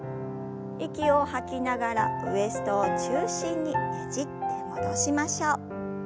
息を吐きながらウエストを中心にねじって戻しましょう。